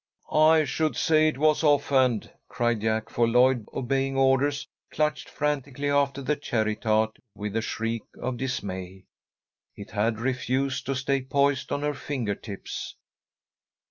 "I should say it was offhand!" cried Jack. For Lloyd, obeying orders, clutched frantically after the cherry tart, with a shriek of dismay. It had refused to stay poised on her finger tips.